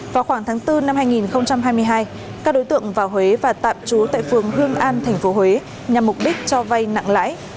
vào khoảng tháng bốn năm hai nghìn hai mươi hai các đối tượng vào huế và tạm trú tại phường hương an tp huế nhằm mục đích cho vay nặng lãi